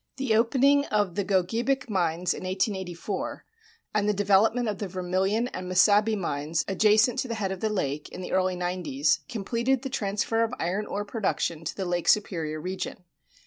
The opening of the Gogebic mines in 1884, and the development of the Vermillion and Mesabi mines adjacent to the head of the lake, in the early nineties, completed the transfer of iron ore production to the Lake Superior region.